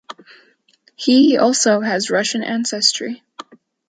He also has Russian ancestry.